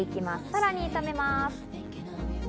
さらに炒めます。